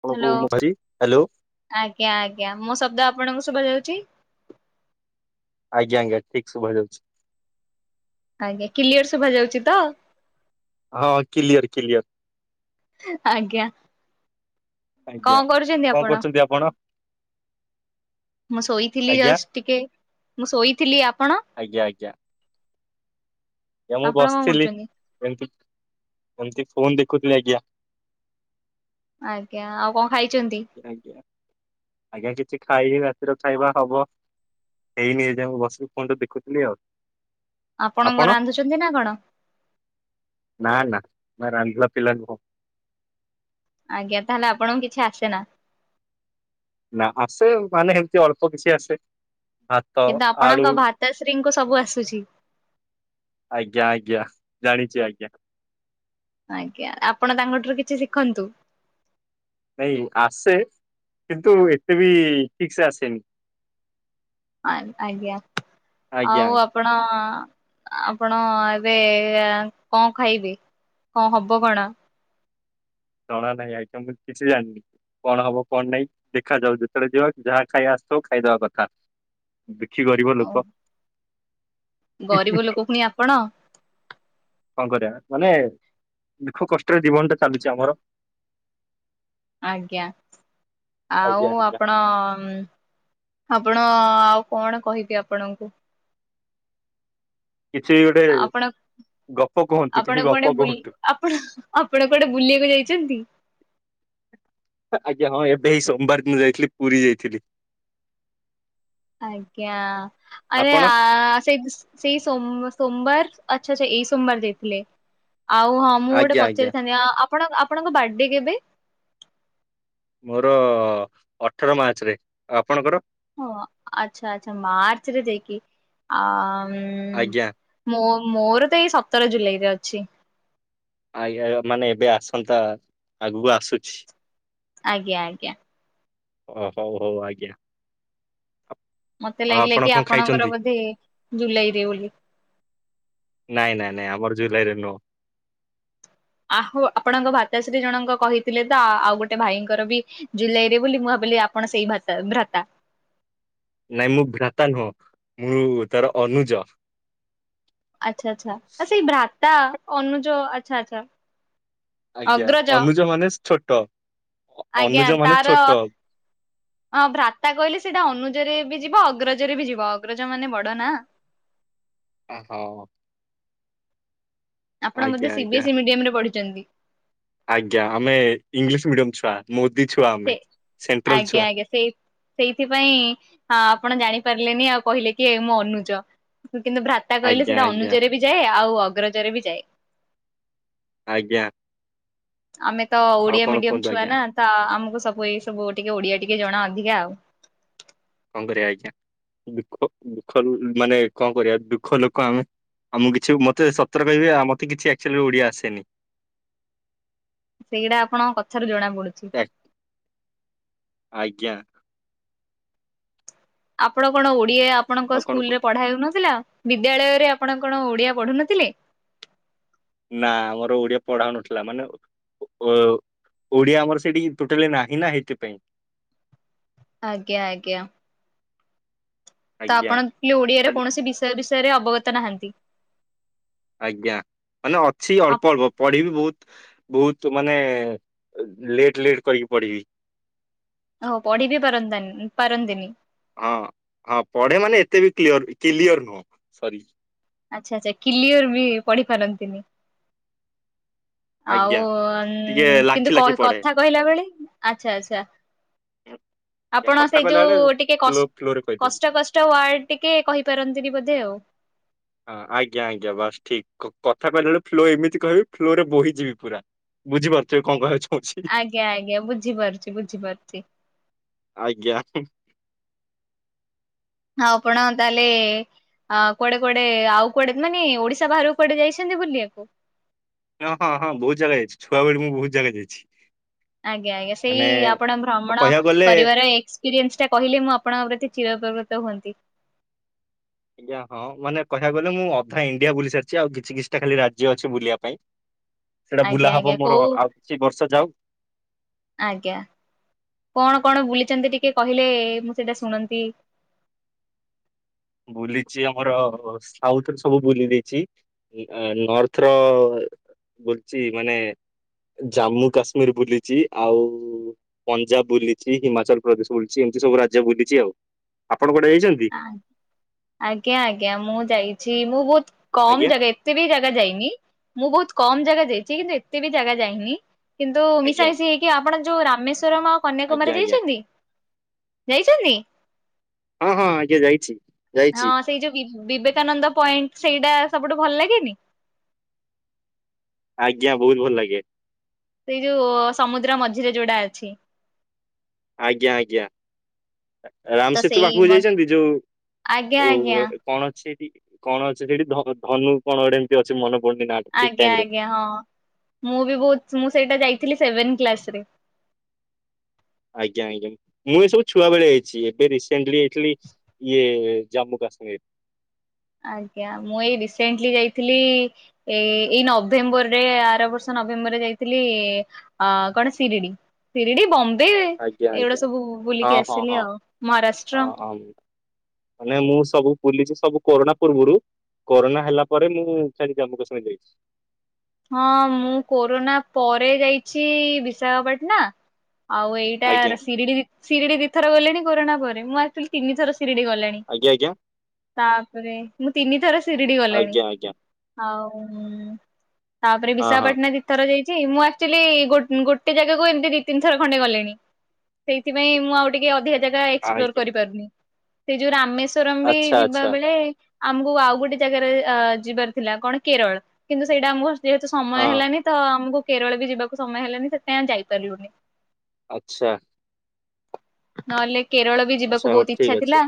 ଆପଣଙ୍କୁ ହ୍ୟାଲୋ। ମୁଁ କହିଲି ହ୍ୟାଲୋ ଆଜ୍ଞା ଆଜ୍ଞା ମୁଁ ଶବ୍ଦ ଆପଣଙ୍କୁ ଶୁଭା ଯାଉଛି? ଆଜ୍ଞା-ଆଜ୍ଞା ଠିକ ଶୁଭା ଯାଉଛି। ଆଜ୍ଞା, କ୍ଲିଅର ଶୁଭା ଯାଉଛି ତ? ହଁ କ୍ଲିୟର-କ୍ଲିୟର। ଆଜ୍ଞା, ଆଜ୍ଞା। କଣ କରୁଛନ୍ତି କଣ ଆପଣ? କରୁଛନ୍ତି ମୁଁ ଶୋଇଥିଲି ଆଜ୍ଞା ଜଷ୍ଟ ଟିକେ। ମୁଁ ଶୋଇଥିଲି ଆପ୍ ଆଜ୍ଞା-ଆଜ୍ଞା। ଏ ମୁଁ ଆପଣ କଣ ବସିଥିଲି କରୁଛନ୍ତି? ଏମିତି। ଏମିତି ଫୋନ ଦେଖୁଥିଲି ଆଜ୍ଞା। ଆଜ୍ଞା, ଆଉ କଣ ଖାଇ ଆଜ୍ଞା-ଆଜ୍ଞା କିଛି ଖାଇନି ରାତିର ଖାଇବା ହବ। ହେଇନି ଏଯାଏ ମୁଁ ବସି ଫୋନ୍ ଦେଖୁଥିଲି ଆଉ। ଆପଣଙ୍କ ଆପଣ? ରାନ୍ଧୁଛନ୍ତି ନା କଣ? ନା-ନା ମା ରାନ୍ଧିବା ପିଲା ନୁହଁ। ଆଜ୍ଞା, ତାହଲେ ଆପଣଙ୍କୁ କିଛି ଆସେ ନା? ନା ଆସେ ମାନେ ସେମିତି ଅଳ୍ପ କିଛି ଆସେ। ଭାତ କିନ୍ତୁ ଆଳୁ ଆପଣଙ୍କ ଭାତଶ୍ରୀଙ୍କୁ ସବୁ ଆସୁଛି। ଆଜ୍ଞା-ଆଜ୍ଞା ଜାଣିଛି ଆଜ୍ଞା। ଆଜ୍ଞା, ଆପଣ ତାଙ୍କଠାରୁ କିଛି ଶିଖନ୍ତୁ। ନାଇଁ ଆସେ କିନ୍ତୁ ଏତେ ବି ଠିକ ସେ ଆସେନି। ଆଜ୍ଞା! ଆଜ୍ଞା ଆଜ୍ଞା। ଆଉ ଆପଣ ଆପଣ ଏବେ କଣ ଖାଇବେ? କଣ ହବ କଣ? ଜଣା ନାହିଁ ଆଇଟମ କିଛି ଜାଣିନି। କଣ ହବ କଣ ନାଇଁ ଦେଖାଯାଉ ଯେତେବେଳେ ଯିବା ଯାହା ଖାଇ ଆସ ବ ଖାଇଦେବା କଥା। ଦୁଖି ଗରିବ ଲୋକ। ଗରିବ ଲୋକ ପୁଣି ଆପଣ କଣ କରିବା? ମାନେ ଦୁଃଖ କଷ୍ଟରେ ଜୀବନ ଟା ଚାଲୁଛି ଆମର। ଆଜ୍ଞା! ଆଉ ଆଜ୍ଞା ଆଜ୍ଞା। ଆପଣ ଆପଣ ଆଉ କଣ କହିବେ ଆପଣଙ୍କୁ। କିଛିି ଗୋଟେ ଆପଣ ଗପ କୁହନ୍ତୁ କିଛି ଆପଣ ଗପ କୁଉଆଡେ ବୁଲି କୁହନ୍ତୁ। ଆପଣ-ଆପଣ କୁଆଡେ ବୁଲିବାକୁ ଯାଇଛନ୍ତି? ଆଜ୍ଞା ହଁ! ଏବେ ଏଈ ସୋମବାର ଦିନ ଯାଇଥିଲି ପୁରୀ ଯାଇଥିଲି। ଆଜ୍ଞା! ଆରେ ଆପଣ ଆ ସେ-ସେଇ ସୋମ-ସୋମବାର ଆଚ୍ଛା-ଆଚ୍ଛା ଏଇ ସୋମବାର ଯାଇଥିଲେ। ଆଉ ହଁ ମୁଁ ଗୋଟେ ଆଜ୍ଞା ଆଜ୍ଞା ପଚାରିଥାନ୍ତି ଆ ଆପଣ ଆପଣଙ୍କ ବାଡେ କେବେ? ମୋର ଅଠର ମାର୍ଚ୍ଚରେ ଆଉ ଆପଣଙ୍କର? ହ ଆଚ୍ଛା-ଆଚ୍ଛା ମାର୍ଚ୍ଚରେ ଯାଇକି ଆ ଆଜ୍ଞା ହୁଁ ମୋ ମୋର ତ ଏଇ ସତର ଜୁଲାଇରେ ଅଛି। ଆଜ୍ଞା! ମାନେ ଏବେ ଆସନ୍ତା ଆଗକୁ ଆସୁଛି। ଆଜ୍ଞା-ଆଜ୍ଞା। ଓ ହଉ-ହଉ ଆଜ୍ଞା। ମତେ ଆଉ ଲାଗିଲା ଆପଣ କି କଣ ଆପଣଙ୍କର ଖାଇଛନ୍ତି? ବୋଧେ ଜୁଲାଇରେ ବୋଲି। ନାଇଁ ନାଇଁ ନାଇଁ ଆମର ଜୁଲାଇରେ ନୁହଁ। ଆହୋ ଆପଣଙ୍କ ଭତାଶ୍ରୀ ଜଣଙ୍କ କହିଥିଲେ ତ ଆଉ ଗୋଟେ ଭାଇଙ୍କର ବି ଜୁଲାଇରେ ବୋଲି ମୁଁ ଭାବି ବୋଲି ଆପଣ ସେଇ ଭତା ଭ୍ରାତା। ନାଇଁ ମୁଁ ଭ୍ରାତା ନୁହଁ ମୁଁ ତାର ଅନୁଜ। ଆଚ୍ଛା-ଆଚ୍ଛା ସେ ଭ୍ରାତା ଅନୁଜ ଆଚ୍ଛା-ଆଚ୍ଛା। ଆଜ୍ଞା! ଅନୁଜ ମାନେ ଛୋଟ। ଆଜ୍ଞା! ଅନୁଜ ମାନେ ତାର ଛୋଟ ଅ ଭ୍ରାତା କହିଲେ ସେଇଟା ଅନୁଜରେ ବି ଯିବ ଅଗ୍ରଜରେ ବି ଯିବ। ଅଗ୍ରଜ ମାନେ ବଡ ନା। ଓ ହୋ। ଆପଣ ବୋଧେ ଆଜ୍ଞା ଆଜ୍ଞା ସିବିଏସ୍ଇ ମିଡିୟମ ରେ ପଢିଛନ୍ତି ଆଜ୍ଞା ଆମେ ଇଂଲିଶ ମିଡିୟମ ଛୁ ତା ମୁଁ ସେ ଆଜ୍ଞା ଆଜ୍ଞା ସେଇ ସେଇଥିପାଇଁ ଆପଣ ଜାଣି ପାରିଲେନି ଆଉ କହିଲେ କି ଏ ମୁଁ ଅନୁଜ କିନ୍ତୁ ଭ୍ରାତା କହିଲେ ଆଜ୍ଞା ସେଇଟା ଆଜ୍ଞା ଅନୁଜରେ ବି ଯାଏ ଆଉ ଅଗ୍ରଜରେ ବି ଯାଏ। ଆଜ୍ଞା। ଆମେ ତ ଆଉ ଓଡିଆ କଣ ମିଡିୟମ କୁହନ୍ତୁ ଛୁଆ ଆଜ୍ଞା ନା ତ ଆମକୁ ସବୁ ଏଇ ସବୁ ଟିକେ ଓଡିଆ ଟିକେ ଜଣା ଅଧିକା ଆଉ। କଣ କରିବା ଆଜ୍ଞା ଦୁଃଖ ଦୁଃଖ ମାନେ କଣ କରିବା ଦୁଃଖ ଲୋକ ଆମେ। ଆଉ ମୁଁ କିଛି ମତେ ସତରେ କହିବି ଆ ମତେ କିଛି ଆକ୍ଚୁଆଲି ଓଡିଆ ଆସେନି। [inaudible] ସେଇଗଟା ଆପଣଙ୍କ କଥାରୁ ଜଣା ପଡୁଛି। ଆ- ଆଜ୍ଞା। ଆପଣ କଣ ଓଡିଆ ଆପଣଙ୍କ ଆଉ କଣ ସ୍କୁଲ ରେ କୁହନ୍ତୁ। ପଢା ହେଉନଥିଲା। ବିଦ୍ୟାଳୟରେ ଆପଣ କଣ ଓଡିଆ ପଢୁନଥିଲେ। ନା ଆମର ଓଡିଆ ପଢା ହନଥିଲା ମାନେ ଅ ଓଡିଆ ଆମର ସେଠି ଟୋଟାଲି ନାହିଁ ନା ହେଇଥିପାଇଁ। ଆଜ୍ଞା ଆଜ୍ଞା। ତ ଆଜ୍ଞା ଆପଣ ଓଡିଆରେ ଖାଲି କୌଣସି ବିଷୟ ବିଷୟରେ ଅବଗତ ନାହାନ୍ତି। ଆଜ୍ଞା ମାନେ ଅଛି ଅଳ୍ପ ଅଳ୍ପ ପଢିବି ବହୁତ ବହୁତ ମାନେ ଲେଟ ଲେଟ କରିକି ପଢିବି। ହଉ ପଢି ବି ପାରନ୍ତାନି ପାରନ୍ତିନି ହଁ ହଁ ପଢେ ମାନେ ଏତେ ବି କ୍ଲିୟର କିଲିଅର୍ ନୁହଁ ସରି। ଆଚ୍ଛା ଆଛା କିଲିୟର ବି ପଢି ପାରନ୍ତିନି। ଆଜ୍ଞା ଟିକେ ଆଉ ଲାଖି କିନ୍ତୁ ଲାଖି ପଢେ। କଥା କହିଲା ବେଳେ ଆଛା ଆଛା। ଆଜ୍ଞା, ଆପଣ କଥା ସେଇ କହିଲା ବେଳେ ଯୋଉ ଟିକେ ଫ୍ଲୋ କଷ୍ଟ ଫ୍ଲୋରେ କହିଦେବି। କଷ୍ଟ କଷ୍ଟ ୱାର୍ଡ ଟିକେ କହିପାରନ୍ତିନି ବୋଧେ ଆଉ। ହଁ ଆଜ୍ଞା ଆଜ୍ଞା ବାସ୍ ଠିକ କଥା କହିଲା ବେଳେ ଫ୍ଲୋ ଏମିତି କହିବି ଫ୍ଲୋ ରେ ବୋହିଯିବି ପୁରା। ବୁଝିପାରୁଥିବେ କଣ କହ ଆଜ୍ଞା ଆଜ୍ଞା ବୁଝିପାରୁଚି ବୁଝିପାରୁଚି। ଆଜ୍ଞା। ହଁ ଆପଣ ତାହେଲେ ଅ କୁଆଡେ କୁଆଡେ ଆଉ କୁଆଡେ ମାନେ ଓଡିଶା ବାହାରକୁ କୁଆଡେ ଯାଇଛନ୍ତି ବୁଲିବାକୁ। ହଁ ହଁ ହଁ ବହୁତ ଜାଗା ଯାଇଛି ଛୁଆବେଳେ ମୁଁ ବହୁତ ଜାଗା ଯାଇଛି। ଆଜ୍ଞା ଆଜ୍ଞା ସେଇ ମାନେ ଆପଣ ଭ୍ରମଣ କହିବାକୁ ଗଲେ କରିବାର ଏକ୍ସପିରିଏନ୍ସ ଟା କହିଲେ ମୁଁ ଆପଣଙ୍କ ପ୍ରତି ଚିରପକୃତ ରହନ୍ତି। ଆଜ୍ଞା ହଁ ମାନେ କହିବାକୁ ଗଲେ ମୁଁ ଅଧା ଇଣ୍ଡିଆ ବୁଲି ସାରିଛି ଆଉ କିଛି କିଛିଟା ଖାଲି ରାଜ୍ୟ ଅଛି ବୁଲିବା ପାଇଁ। ସେଇଟା ଆଜ୍ଞା ବୁଲା ଆଜ୍ଞା ହବ ମୋର କୋଉ ଆଉ କିଛି ବର୍ଷ ଯାଉ। ଆଜ୍ଞା କଣ କଣ ବୁଲିଛନ୍ତି ଟିକେ କହିଲେ ମୁଁ ସେଇଟା ଶୁଣନ୍ତି। ବୁଲିଛି ଆମର ସାଉଥ ର ସବୁ ବୁଲି ଦେଇଛି ନର୍ଥ ର ବଛି ମାନେ ଜାମ୍ମୁ କାଶ୍ମୀର ବୁଲିଛି ଆଉ ପଞ୍ଜାବ ବୁଲିଛି ହିମାଚଳ ପ୍ରଦେଶ ବୁଲିଛି ସବୁ ରାଜ୍ୟ ବୁଲିଛି ଆଉ ଆପଣ କୁଆଡେ ଯାଇଛନ୍ତି। ଆଜ୍ଞା ଆଜ୍ଞା ମୁଁ ଯାଇଛି ମୁଁ ବହୁତ କମ ଆଜ୍ଞା ଜାଗା ଏତେ ବି ଜାଗା ଯାଇନି ମୁଁ ବହୁ କମ ଜାଗା ଯାଇଛି କିନ୍ତୁ ଏତେ ବି ଜାଗା ଯାଇନି କିନ୍ତୁ ଆଜ୍ଞା ମିଶାମିଶି ହେଇକି ଆପଣ ଯୋଉ ରାମେଶ ଆଜ୍ଞା କନ୍ୟାକୁମାରୀ ଆଜ୍ଞା ଯାଇଛନ୍ତି ଯାଇଛନ୍ତି। ହଁ ହଁ ଆଜ୍ଞା ଯାଇଛି। ହଁ ଯାଇଛି ସେଇ ଯୋଉ ବି ବିବେ ଏକାନନ୍ଦ ପଏଣ୍ଟ ସେଇଟା ସବୁଠୁ ଭଲ ଲାଗେନି। ଆଜ୍ଞା ବହୁତ ଭଲ ଲାଗେ। ସେଇ ଯୋଉ ସମୁଦ୍ର ମଝିରେ ଯୋଉଟା ଅଛି। ଆଜ୍ଞା, ଆଜ୍ଞା। ତ ରାମସେତୁ ସେଇ ପାଖକୁ ମ ଯାଇଛନ୍ତି? ଆଜ୍ଞା ଆଜ୍ଞା ଯୋଉ କଣ ଅଛି ଏଠି କଣ ଅଛି ସେଠି ଧନୁ କଣ ଗୋଟେ? ଏମିତି ଅଛି ମନ ଆଜ୍ଞା, ଆଜ୍ଞା, ହଁ ମୁଁ ବି ବହୁତ ମୁଁ ସେଇଟା ଯାଇ ସେଭେନ କ୍ଲାସ ରେ ଆଜ୍ଞା, ଆଜ୍ଞା, ମୁଁ ଏ ସବୁ ଛୁଆ ବେଳେ ଯାଇଛି, ଏବେ ରିସେଣ୍ଟଲି ଯାଇଥିଲି ଇଏ ଜାମ୍ମୁ [unintelligible] [inaudible] ଆଜ୍ଞା, ମୁଁ ଏଇ ରିସେଣ୍ଟଲି ଯାଇଥିଲି ଏ ଏଇ ନଭେମ୍ବରରେ ଆର ବର୍ଷ ନଭେମ୍ବରରେ ଯାଇଥିଲି ଅ କଣ ଶିରିଡ଼ି, ଶିରିଡ଼ି, ବମ୍ ଆଜ୍ଞା ଏଇଗୁଡା ଆଜ୍ଞା ସବୁ ବୁଲିକି ହଁ ହଁ ଆସିଲି ହଁ ଆଉ ମହାରାଷ୍ଟ୍ର। ହଁ ହଁ। ମାନେ ମୁଁ ସବୁ ବୁଲିଛି ସବୁ କରୋନା ପୂର୍ବରୁ। କରୋନା ହେଲା ପରେ ମୁଁ ଜାମୁ କାଶ୍ମୀର ଯାଇଛି। ହଁ ମୁଁ କୋରୋନା ପରେ ଯାଇଛି, ବିଶାଖାପାଟନା। ଆଉ ଏଇଟା ଆଜ୍ଞା ଶିରିଡ଼ି, ଶିରିଡ଼ି ଦିଥର ଗଲେଣି କରୋନା ପରେ, ମୁଁ ଆକଚୁଆଲି ତିନିଥର- ସିରିଡି ଗଲାଣି। ଆଜ୍ଞା ତାପରେ, ମୁଁ ତିନିଥର ସିରିଡି ଗଲିଣି ଆଜ୍ଞା ଆଜ୍ଞା ଆଜ୍ଞା ଆଉ ହୁଁ ତାପରେ ହଁ ହଁ ବିଶାଖାପାଟଣା ଦିଥର ଯାଇଛି। ମୁଁ ଆକଚୁଆଲି ଗୋ ଗୋଟେ ଜାଗାକୁ ଏମିତି ଦି ତିନି ଥର ଖଣ୍ଡେ ଗଲିଣି। ସେଇଥିପାଇଁ ମୁଁ ଆଉ ଟିକେ ଅଧି- ଜାଗା ଏକ୍ସପ୍ଲୋର ଆଜ୍ଞା। କରିପାରୁନି, ସେ ଯୋଉ ରାମେଶ୍ଵରମ ବି ଆଚ୍ଛା ଯିବା ଆଚ୍ଛା ବେଳେ- ଆମକୁ ଆଉ ଗୋଟେ ଜାଗାରେ ଅ ଯିବାର ଥିଲା କଣ କେରଳ କିନ୍ତୁ ସେଇଟା ଆମକୁ ଯେହେତୁ ସମୟ ହଁ ହେଲାନି ତ ଆମକୁ କେରଳ ବି ଯିବାକୁ ସମୟ ହେଲାନି, ସେଥିପାଇଁ ଆମେ ଯାଇପାରିଲୁନି। ଆଚ୍ଛା। ନହେଲେ କେରଳ ବି ଯିବାକୁ ଆଚ୍ଛା ହଉ ବହୁତ ଠିକ ଇଚ୍ଛା ଅଛି ଥିଲା,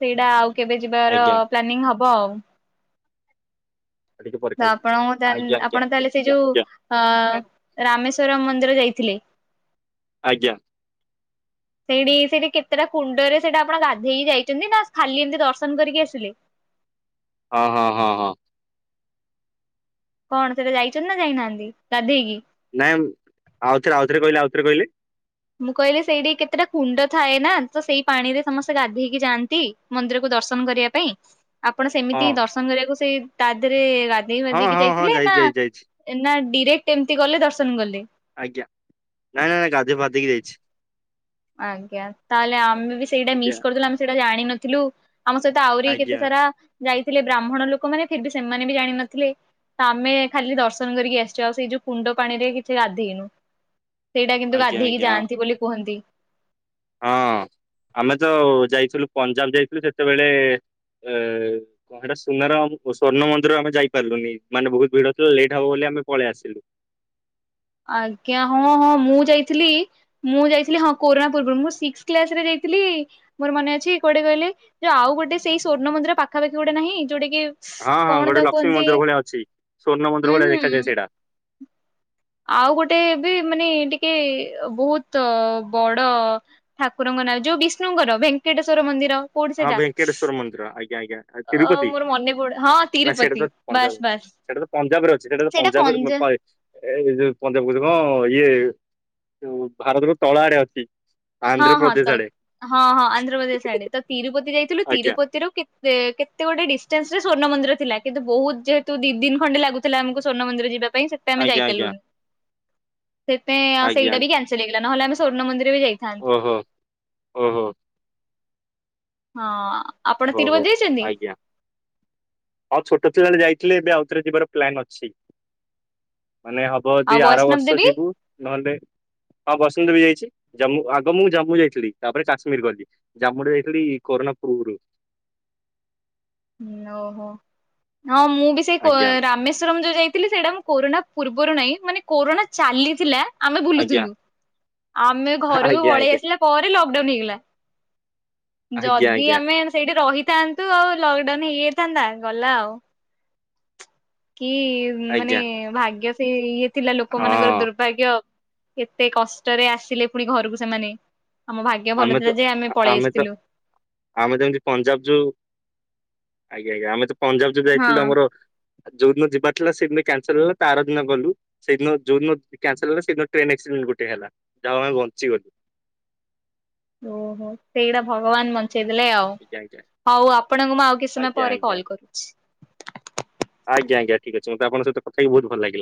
ସେଇଟା ଆଉ କେବେ ଯିବାର ଆଜ୍ଞା ପ୍ଲାନିଂ ହବ ଆଉ। ଆଉ ଟିକେ ପରେ ତ ଖାଇବି। ଆପଣ ତାଲେ ଆଜ୍ଞା ଆଜ୍ଞା ଆପଣ ଆଜ୍ଞା ତାହେଲେ ସେଇ ଆଜ୍ଞା ଯୋଉ ଆଜ୍ଞା ଅ ରାମେଶ୍ଵର ମନ୍ଦିର ଯାଇ ଥିଲେ। ଆଜ୍ଞା। [inaudible] ସେଇଠି, ସେଇଠି କେତେଟା କୁଣ୍ଡରେ ସେଇଟା ଆପଣ ଗାଧେଇକି ଯାଇଛନ୍ତି, ନା ଖାଲି ଏମତି ଦର୍ଶନ କରିକି ଆସିଲେ। [inaudible] ହଁ ହଁ ହଁ ହଁ। କଣ ସେଟା ଯାଇଛନ୍ତି ନା ଯାଇନାହାନ୍ତି ଗାଧେଇକି। ନାଇଁ ଆଉଥରେ, ଆଉଥରେ କହିଲେ, ଆଉଥରେ କହିଲେ। ମୁଁ କହିଲି ସେଇଠି କେତେଟା କୁଣ୍ଡ ଥାଏ ନା, ତ ସେଇ ପାଣି ରେ ସମସ୍ତେ ଗାଧେଇକି ଯାଆନ୍ତି, ମନ୍ଦିରକୁ ଦ ଦର୍ଶନ କରିବା ପାଇଁ, ଆପଣ ହଁ ସେମିତି ଦର୍ଶନ କରିବାକୁ ସେଇ ତା ଦେହରେ ଗାଧେଇ ହଁ ବାଧେଇକି ହଁ ହଁ ଯାଇଥିଲେ ଯାଇଛି ନା ଯାଇଛି ଯାଇଛି ନା ଡିରେକ୍ଟ ଏମତି ଗଲେ ଦର୍ଶନ ଗଲେ। ଆଜ୍ଞା, ନାଇ ନାଇ ନାଇ ଗାଧେଇ ଫାଦେଇ କି ଯାଇଛି। ଆଜ୍ଞା ତାହେଲେ ଆମେ ବି ସେଇଟା ଆଜ୍ଞା ମିସ୍ କରିଦେଲୁ ଆମେ ସେଇଟା ଜାଣିନଥିଲୁ। ଆମ ସହିତ ଆହୁରି କେତେ ଆଜ୍ଞା ସାରା ଯାଇଥିଲେ ବ୍ରାହ୍ମଣ ଲୋକମାନେ ଫେର ବି ସେମାନେ ବି ଜାଣିନଥିଲେ। ତ ଆମେ ଖାଲି ଦର୍ଶନ କରିକି ଆସିଛୁ, ଆଉ ସେଇ ଯୋଉ କୁଣ୍ଡ ପାଣିରେ କିଛି ଗାଧେଇନୁ। ସେଇଟା କିନ୍ତୁ ଆଜ୍ଞା ଗାଧେଇକି ଆଜ୍ଞା ଯାଆନ୍ତି ବୋଲି କୁହନ୍ତି। ହଁ ଆମେ ତ ଯାଇଥିଲୁ, ପଞ୍ଜାବ ଯାଇଥିଲୁ, ସେତେବେଳେ ଏ କଣ ସେଟା ସୁନାର ସ୍ଵର୍ଣ୍ଣ ମନ୍ଦିର ଆମେ ଯାଇପାରିଲୁନି ମାନେ ବହୁତ ଭିଡ ଥିଲା ଲେଟ୍ ହବ ବୋଲି ଆମେ ପଳେଇ ଆସିଲୁ। [inaudible] ଆଜ୍ଞା, ହଁ ହଁ ମୁଁ ଯାଇଥିଲି, ମୁଁ ଯାଇଥିଲି ହଁ କୋରନା ପୂର୍ବରୁ, ମୁଁ ସିକ୍ସ କ୍ଲାସ ରେ ଯାଇ ଥିଲି, ମୋର ମନେ ଅଛି କୋଉଟା କହିଲେ, ଯେ ଆଉ ଗୋଟେ ସେଇ ସ୍ଵର୍ଣ୍ଣ ମନ୍ଦିର ପାଖାପାଖି ଗୋଟେ ନାହିଁ ଯୋଉଟା କି ହଁ ହଁ କଣ ଗୋଟେ ତାକୁ ଲକ୍ଷ୍ମୀ କୁହନ୍ତି? ମନ୍ଦିର ଭଳିଆ ଅଛି ସ୍ଵର୍ଣ୍ଣ ମନ୍ଦିର ଉଁ ଭଳିଆ ହୁଁ ଦେଖାଯାଏ ସେଇଟା ଆଉ ଗୋଟେ ଏବେ ମାନେ ଟିକେ ବହୁତ୍, ବଡ ଠାକୁର ଙ୍କ ନା ଯୋଉ ବିଷ୍ଣୁଙ୍କର ଭେଙ୍କଟେଶ୍ଵର ମନ୍ଦିର? କୋଉଠି ହଁ ସେଟା? ଭେଙ୍କଟେଶ୍ଵର ମନ୍ଦିର ଆଜ୍ଞା ଆଜ୍ଞା ଅ ତିରୁପତି ମୋର ମନେ ପଡୁ, ହଁ ତିରୁପତି ବାସ୍ ବାସ୍। ସେଟା ତ ପଞ୍ଜାବରେ ଅଛି, ସେଟା ତ ସେଇଟା ପଞ୍ଜାବ ରେ ପଞ୍ଜା ପଏ। ଏଇ ଯୋଉ ପଞ୍ଜାବ କହୁଚି କଣ? ଇଏ ଯଉ ଭାରତର ତଳ ଆଡେ ଅଛି। ହଁ ହଁ ଆନ୍ଧ୍ରପ୍ରଦେଶ ତ ଆଡେ ହଁ ହଁ ଆନ୍ଧ୍ରପ୍ରଦେଶ ଆଡେ। ତ ତିରୁପତି ଯାଇଥିଲୁ। ଆଜ୍ଞା ତିରୁପତିରୁ କେତେ କେତେ ଗୋଟେ ଡିସ୍ ଟାନ୍ସରେ ସ୍ଵର୍ଣ୍ଣ ମନ୍ଦିର ଥିଲା। କିନ୍ତ ବହୁତ! ଯେହେୁତୁ ଦି ଦିନ ଖଣ୍ଡେ ଲାଗୁଥିଲା, ଆମକୁ ସ୍ଵର୍ଣ୍ଣ ମନ୍ଦିର ଯିବା ପାଇଁ, ସେଟା ଆମେ ଆଜ୍ଞା ଆଜ୍ଞା ଯାଇପାରିଲୁନି। ସେଇତପାଇଁ, ଅ ସେଇଟା ବି କାନ୍ସେଲ ହେଇଗଲା। ନହେଲେ, ଆମେ ସ୍ଵର୍ଣ୍ଣ ମନ୍ଦିର ବି ଯାଇ ଓ ହୋ, ଓ ହୋ! ହଁ, ଆପଣ ଓହୋ ତିରୁପତି ଯାଇଛନ୍ତି? ତେବେଳେ ଯାଇଥିଲି। ଏବେ ଆଉଥରେ ଯିବାର ପ୍ଲାନ୍ ଅଛି। ମାନେ ହବ ଆଉ ଦି ଆର ବୈଷ୍ଣବ ବର୍ଷ ଦେବୀ ଯିବୁ। ନହେଲେ ହଁ [unintelligible] ବି ଯାଇଛି। ଜାମ୍ମୁ ଆଗ ମୁଁ ଜାମ୍ମୁ ଯାଇଥିଲି ତାପରେ କାଶ୍ମୀର ଗଲି। ଜାମ୍ମୁ ରେ ଯାଇଥିଲି କରୋନା ପୁର୍ବୁରୁ। ଓହୋ! ହଁ, ମୁଁ ବି ସେଇ ଆଜ୍ଞା କ-ରାମେଶ୍ଵରମ ଯୋଉ ଯାଇଥିଲି ସେଇଟା ମୁଁ କରୋନା ପୂର୍ବରୁ ନାହିଁ। ମାନେ କୋରୋନା ଚାଲିଥିଲା ଆମେ ଆଜ୍ଞା ବୁଲୁଥିଲୁ। ଆମେ ଘରକୁ ଆଜ୍ଞା ପଳେଇ ଆଜ୍ଞା ଆସିଲା ପରେ, ଲକ୍ଡାଉନ୍ ହେଇଗଲା। ଆଜ୍ଞା ଯଦି ଆଜ୍ଞା ଆମେ ସେଇଠି ରହିଥାନ୍ତୁ ଆଉ ଲକଡାଉନ ହେଇଯାଇଥାନ୍ତା, ଗଲା ଆଉ କି ମାନେ ଆଜ୍ଞା ଭାଗ୍ୟ ସେ ଇଏ ଥିଲା, ହଁ ଲୋକମାନଙ୍କର ଦୁର୍ଭାଗ୍ୟ। କେତେ କଷ୍ଟରେ ଆସିଲେ ପୁଣି ଘରକୁ ସେମାନେ। ଆମ ଭାଗ୍ୟ ଭଲ ଥିଲା ଯେ, ଆମେ ପଳେଇ ଆସିଥିଲୁ। ଆମେ ଯେମିତି ପଞ୍ଜାବ ଯୋଉ ଆଜ୍ଞା ଆଜ୍ଞା। ଆମେ ତ ପଞ୍ଜାବ ଯଉ ହଁ ଯାଇଥିଲୁ ଆମର ଯଉଦିନ ଯିବାରଥିଲା, ସେଦିନ କ୍ୟାନସଲ ହେଲା। ତାର ଆର ଦିନ ଗଲୁ। ସେଦିନ ଯଉଦିନ କାନ୍ସଲ ହେଲା, ସେଦିନ ଟ୍ରେନ ଏକ୍ସିଡେଣ୍ଟ ଗୋ ଟେ ହେଲା। ଯାହା ହଉ ଆମେ ବଞ୍ଚିଗଲୁ। ଓହୋ! ସେଇଟା ଭଗବାନ ବନ୍ ଞ୍ଚେଇଦେଲେ ଆଉ। ଆଜ୍ଞା ଆଜ୍ଞା ହଉ ଆପଣଙ୍କୁ ମୁଁ ଆଉ କିଛି ସମୟ ଆଜ୍ଞା ପରେ ଆଜ୍ଞା କଲ୍ କରୁଛି। ଆଜ୍ଞା, ଆଜ୍ଞା। ଠିକ୍ ଅଛି। ମତେ ଆପଣଙ୍କ ସହ କଥା ହୋଇ ବହୁତ ଭଲ ଲାଗିଲା।